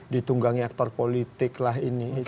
ditunggangi aktor politik lah ini